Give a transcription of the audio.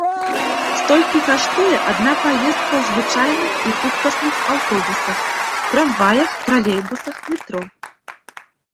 Столькі каштуе адна паездка ў звычайных і хуткасных аўтобусах, трамваях, тралейбусах, метро.